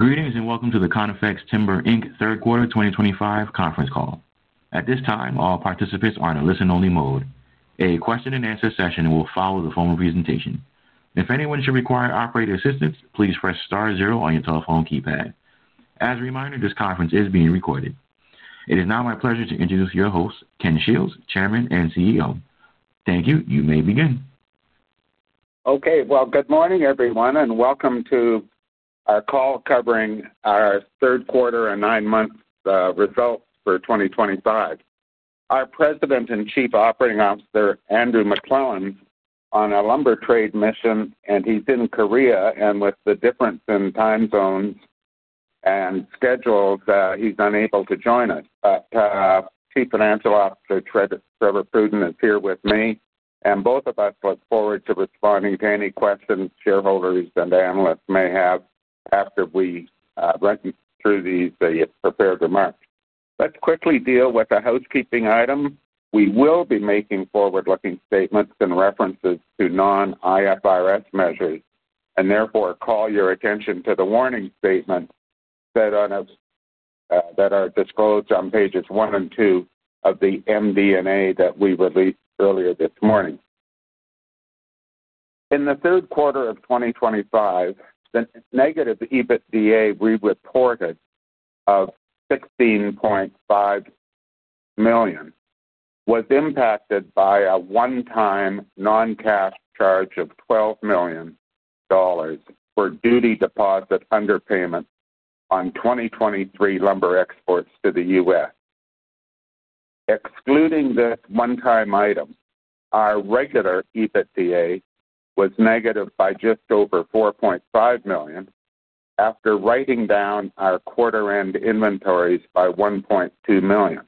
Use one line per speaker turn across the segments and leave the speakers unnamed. Greetings and welcome to the Conifex Timber Inc third quarter 2025 conference call. At this time, all participants are in a listen-only mode. A question-and-answer session will follow the formal presentation. If anyone should require operator assistance, please press star zero on your telephone keypad. As a reminder, this conference is being recorded. It is now my pleasure to introduce your host, Ken Shields, Chairman and CEO. Thank you. You may begin.
Okay. Good morning, everyone, and welcome to our call covering our third quarter and nine-month results for 2025. Our President and Chief Operating Officer, Andrew McLellan, is on a lumber trade mission, and he's in Korea. With the difference in time zones and schedules, he's unable to join us. Chief Financial Officer, Trevor Pruden, is here with me, and both of us look forward to responding to any questions shareholders and analysts may have after we run through these prepared remarks. Let's quickly deal with a housekeeping item. We will be making forward-looking statements and references to non-IFRS measures, and therefore call your attention to the warning statements that are disclosed on pages one and two of the MD&A that we released earlier this morning. In the third quarter of 2025, the negative EBITDA we reported of 16.5 million was impacted by a one-time non-cash charge of 12 million dollars for duty deposit underpayment on 2023 lumber exports to the U.S. Excluding this one-time item, our regular EBITDA was negative by just over 4.5 million after writing down our quarter-end inventories by 1.2 million.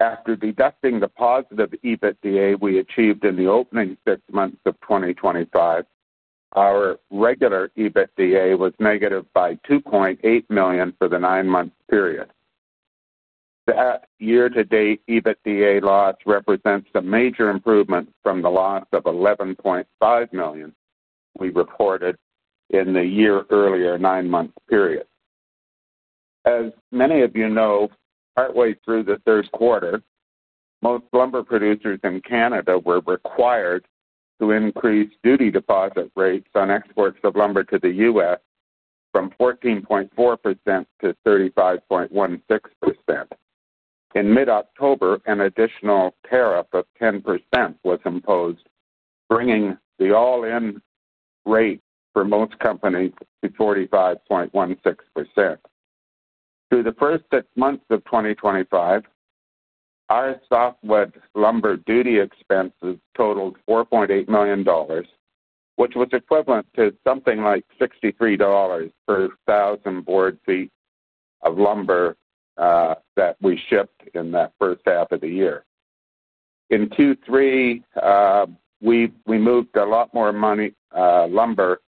After deducting the positive EBITDA we achieved in the opening six months of 2025, our regular EBITDA was negative by 2.8 million for the nine-month period. That year-to-date EBITDA loss represents a major improvement from the loss of 11.5 million we reported in the year earlier nine-month period. As many of you know, partway through the third quarter, most lumber producers in Canada were required to increase duty deposit rates on exports of lumber to the U.S. from 14.4% to 35.16%. In mid-October, an additional tariff of 10% was imposed, bringing the all-in rate for most companies to 45.16%. Through the first six months of 2025, our softwood lumber duty expenses totaled 4.8 million dollars, which was equivalent to something like 63 dollars per 1,000 bd ft of lumber that we shipped in that first half of the year. In Q3, we moved a lot more lumber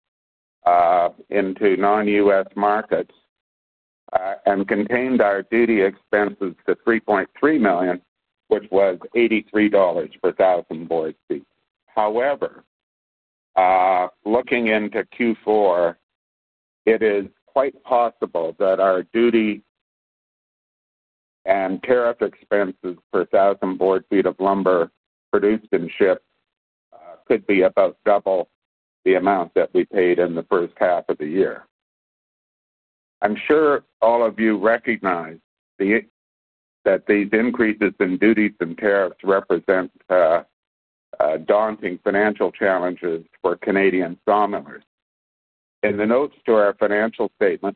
into non-U.S. markets and contained our duty expenses to 3.3 million, which was 83 dollars per 1,000 bd ft. However, looking into Q4, it is quite possible that our duty and tariff expenses per 1,000 bd ft of lumber produced and shipped could be about double the amount that we paid in the first half of the year. I'm sure all of you recognize that these increases in duties and tariffs represent daunting financial challenges for Canadian customers. In the notes to our financial statement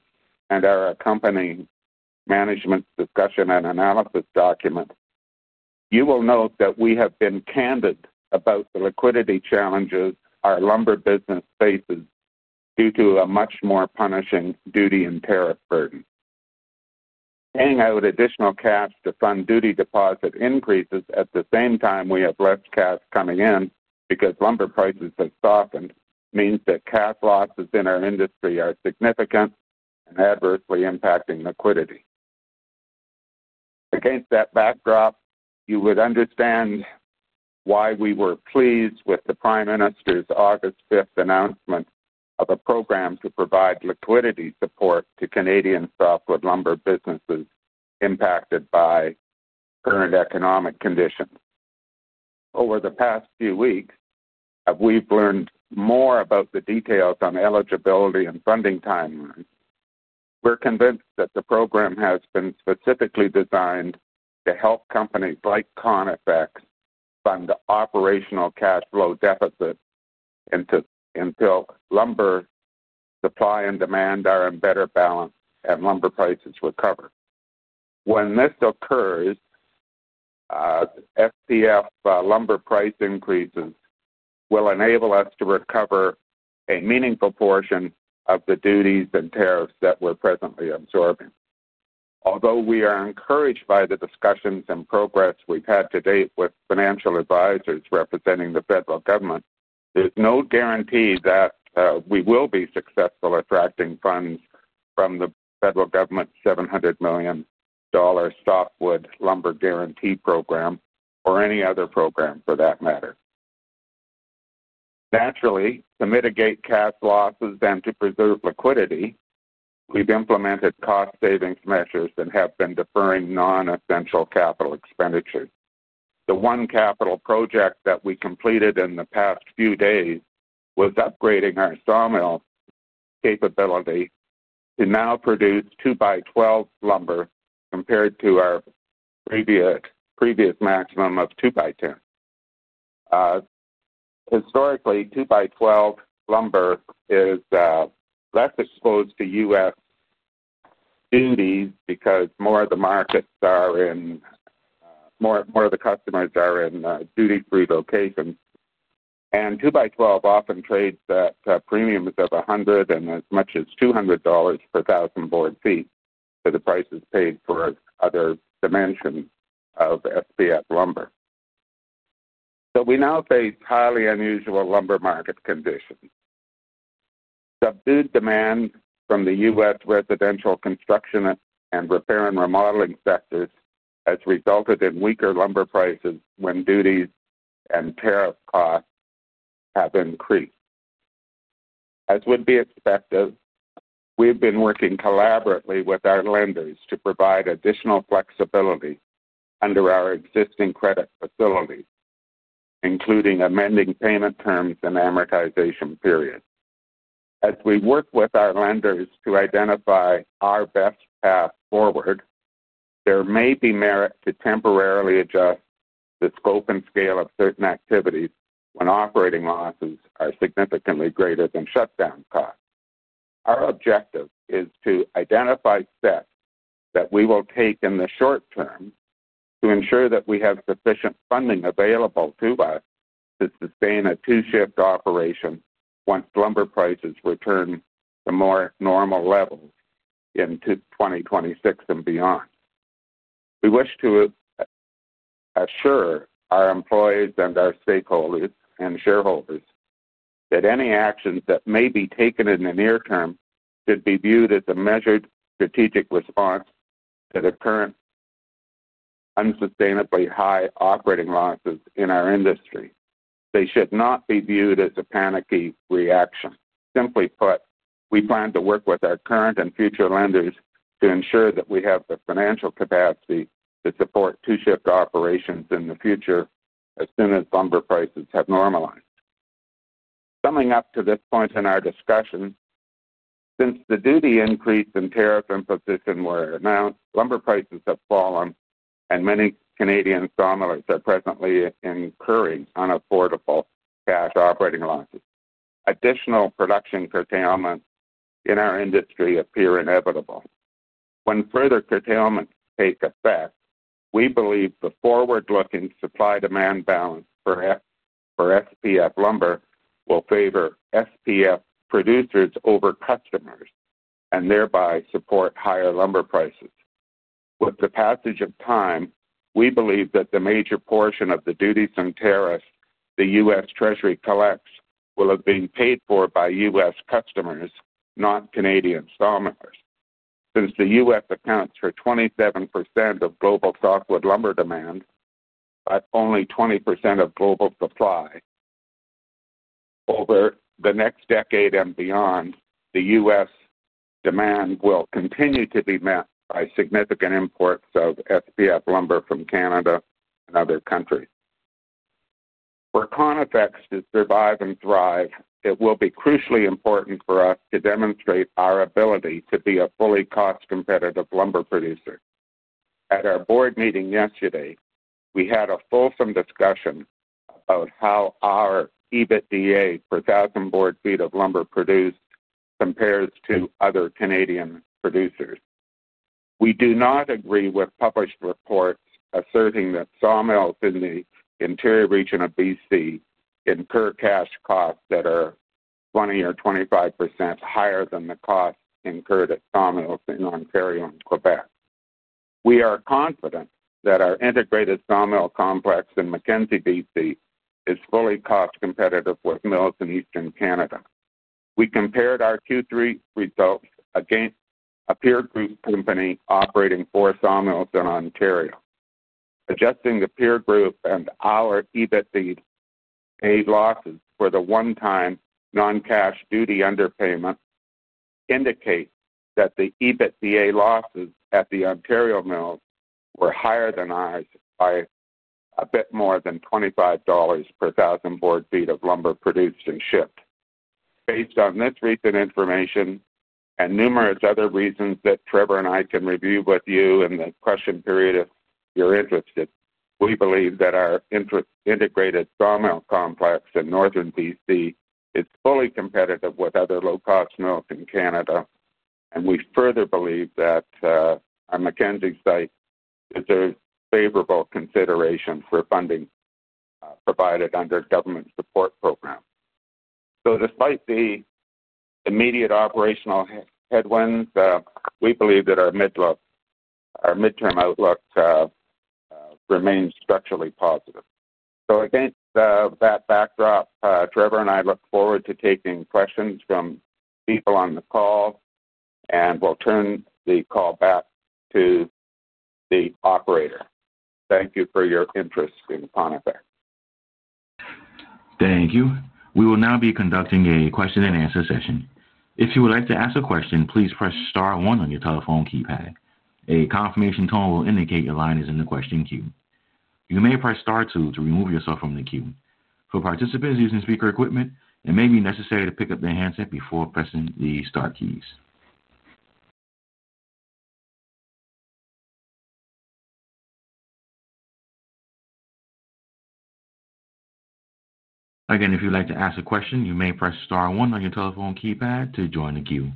and our accompanying management discussion and analysis document, you will note that we have been candid about the liquidity challenges our lumber business faces due to a much more punishing duty and tariff burden. Paying out additional cash to fund duty deposit increases at the same time we have less cash coming in because lumber prices have softened means that cash losses in our industry are significant and adversely impacting liquidity. Against that backdrop, you would understand why we were pleased with the Prime Minister's August 5th announcement of a program to provide liquidity support to Canadian softwood lumber businesses impacted by current economic conditions. Over the past few weeks, we've learned more about the details on eligibility and funding timelines. We're convinced that the program has been specifically designed to help companies like Conifex fund operational cash flow deficits until lumber supply and demand are in better balance and lumber prices recover. When this occurs, SPF lumber price increases will enable us to recover a meaningful portion of the duties and tariffs that we're presently absorbing. Although we are encouraged by the discussions and progress we've had to date with financial advisors representing the federal government, there's no guarantee that we will be successful attracting funds from the federal government's 700 million dollar softwood lumber guarantee program or any other program for that matter. Naturally, to mitigate cash losses and to preserve liquidity, we've implemented cost-savings measures and have been deferring non-essential capital expenditures. The one capital project that we completed in the past few days was upgrading our sawmill capability to now produce 2x12 lumber compared to our previous maximum of 2x10. Historically, 2x12 lumber is less exposed to U.S. duties because more of the markets are in more of the customers are in duty-free locations, and 2x12 often trades at premiums of 100 and as much as 200 dollars per 1,000 bd ft for the prices paid for other dimensions of SPF lumber. We now face highly unusual lumber market conditions. Subdued demand from the U.S. residential construction and repair and remodeling sectors has resulted in weaker lumber prices when duties and tariff costs have increased. As would be expected, we've been working collaboratively with our lenders to provide additional flexibility under our existing credit facilities, including amending payment terms and amortization periods. As we work with our lenders to identify our best path forward, there may be merit to temporarily adjust the scope and scale of certain activities when operating losses are significantly greater than shutdown costs. Our objective is to identify steps that we will take in the short term to ensure that we have sufficient funding available to us to sustain a two-shift operation once lumber prices return to more normal levels in 2026 and beyond. We wish to assure our employees and our stakeholders and shareholders that any actions that may be taken in the near term should be viewed as a measured strategic response to the current unsustainably high operating losses in our industry. They should not be viewed as a panicky reaction. Simply put, we plan to work with our current and future lenders to ensure that we have the financial capacity to support two-shift operations in the future as soon as lumber prices have normalized. Coming up to this point in our discussion, since the duty increase and tariff imposition were announced, lumber prices have fallen, and many Canadian customers are presently incurring unaffordable cash operating losses. Additional production curtailments in our industry appear inevitable. When further curtailments take effect, we believe the forward-looking supply-demand balance for SPF lumber will favor SPF producers over customers and thereby support higher lumber prices. With the passage of time, we believe that the major portion of the duties and tariffs the U.S. Treasury collects will have been paid for by U.S. customers, not Canadian customers. Since the U.S. accounts for 27% of global softwood lumber demand, but only 20% of global supply. Over the next decade and beyond, the U.S. demand will continue to be met by significant imports of SPF lumber from Canada and other countries. For Conifex to survive and thrive, it will be crucially important for us to demonstrate our ability to be a fully cost-competitive lumber producer. At our board meeting yesterday, we had a fulsome discussion about how our EBITDA per 1,000 bd ft of lumber produced compares to other Canadian producers. We do not agree with published reports asserting that sawmills in the Interior Region of BC incur cash costs that are 20% or 25% higher than the cost incurred at sawmills in Ontario and Quebec. We are confident that our integrated sawmill complex in Mackenzie, BC, is fully cost-competitive with mills in Eastern Canada. We compared our Q3 results against a peer group company operating four sawmills in Ontario. Adjusting the peer group and our EBITDA losses for the one-time non-cash duty underpayment indicates that the EBITDA losses at the Ontario mills were higher than ours by a bit more than 25 dollars per 1,000 bd ft of lumber produced and shipped. Based on this recent information and numerous other reasons that Trevor and I can review with you in the question period, if you're interested, we believe that our integrated sawmill complex in Northern BC is fully competitive with other low-cost mills in Canada, and we further believe that our Mackenzie site deserves favorable consideration for funding provided under government support programs. Despite the immediate operational headwinds, we believe that our mid-term outlook remains structurally positive. So against that backdrop, Trevor and I look forward to taking questions from people on the call, and we'll turn the call back to the operator. Thank you for your interest in Conifex.
Thank you. We will now be conducting a question-and-answer session. If you would like to ask a question, please press star one on your telephone keypad. A confirmation tone will indicate your line is in the question queue. You may press star two to remove yourself from the queue. For participants using speaker equipment, it may be necessary to pick up the handset before pressing the star keys. Again, if you'd like to ask a question, you may press star one on your telephone keypad to join the queue.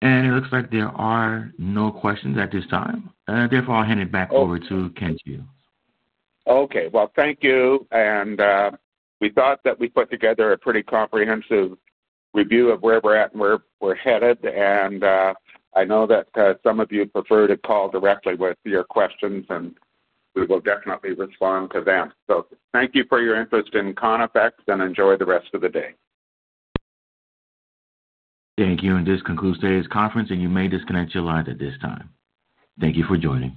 It looks like there are no questions at this time. Therefore, I'll hand it back over to Ken Shields. Okay. Thank you.
We thought that we put together a pretty comprehensive review of where we're at and where we're headed. I know that some of you prefer to call directly with your questions, and we will definitely respond to them. Thank you for your interest in Conifex and enjoy the rest of the day. Thank you. This concludes today's conference, and you may disconnect your lines at this time. Thank you for joining.